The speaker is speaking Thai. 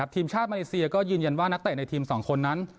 ทีมชาติมาเลเซียก็ยืนยันว่านักเตะในทีม๒คนนั้น